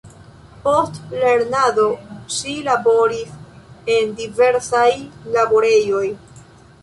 Post lernado ŝi laboris en diversaj laborejoj.